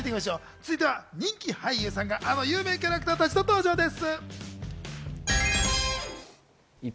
続いては人気俳優さんが、あの有名キャラクターたちと登場です。